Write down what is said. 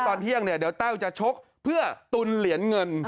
เดี๋ยวเต้าจะชกเพื่อตุนเหรียญเงิน